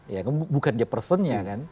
ya bukan dia personnya kan